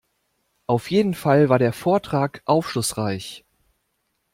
Auf jeden Fall war der Vortrag aufschlussreich.